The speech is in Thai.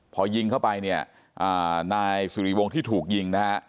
พอยิงเข้าไปเนี่ยนายสุริวงศ์ที่ถูกยิงนะฮะ